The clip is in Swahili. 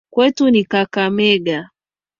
Kwetu ni kakamega